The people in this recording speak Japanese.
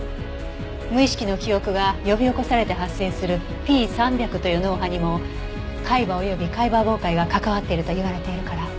無意識の記憶が呼び起こされて発生するＰ３００という脳波にも海馬および海馬傍回が関わってるといわれているから。